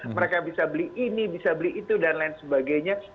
mereka bisa beli ini bisa beli itu dan lain sebagainya